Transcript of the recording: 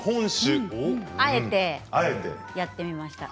あえて、やってみました。